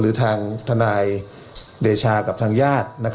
หรือทางทนายเดชากับทางญาติ